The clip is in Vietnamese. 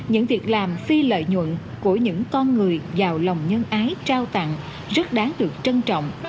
những việc làm phi lợi nhuận của những con người giàu lòng nhân ái trao tặng rất đáng được trân trọng